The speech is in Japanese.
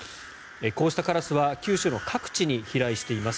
こうしたカラスは九州の各地に飛来しています。